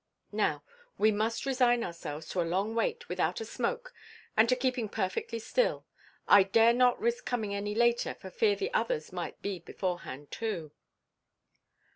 "Now, we must resign ourselves to a long wait without a smoke and to keeping perfectly still. I dared not risk comin' any later for fear the others might be beforehand, too."